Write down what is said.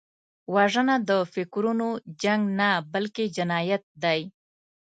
وژنه د فکرونو جنګ نه، بلکې جنایت دی